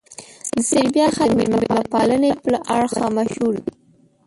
د سربیا خلک د مېلمه پالنې له اړخه مشهور دي.